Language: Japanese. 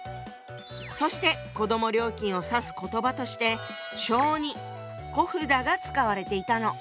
そして子ども料金を指す言葉として小児小札が使われていたの。